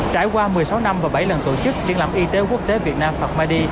trải qua một mươi sáu năm và bảy lần tổ chức triển lãm y tế quốc tế việt nam phạm medi